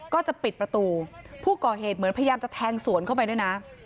ก็จะปิดประตูผู้ก่อเหตุเหมือนพยายามจะแทงสวนเข้าไปด้วยนะ